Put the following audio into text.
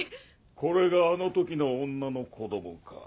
これがあの時の女の子供か。